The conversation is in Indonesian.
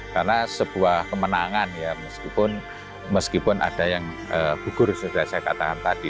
karena sebuah kemenangan meskipun ada yang bugur sudah saya katakan tadi